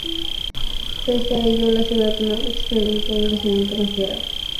Pese a ello, la ciudad no experimentó un crecimiento considerable.